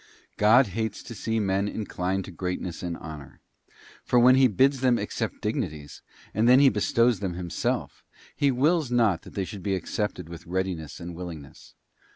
God hates to see men inclined to greatness and honour; for when He bids them accept dig nities, and when He bestows them Himself, He wills not that they should be accepted with readiness and willingness.